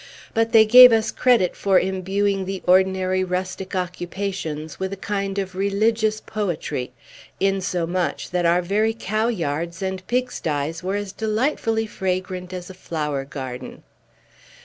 But they gave us credit for imbuing the ordinary rustic occupations with a kind of religious poetry, insomuch that our very cow yards and pig sties were as delightfully fragrant as a flower garden.